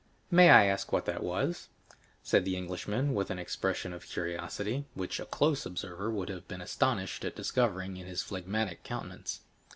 "May I ask what that was?" said the Englishman with an expression of curiosity, which a close observer would have been astonished at discovering in his phlegmatic countenance.